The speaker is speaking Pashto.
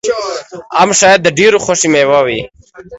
ام ښایي د ډېرو د خوښې مېوه وي.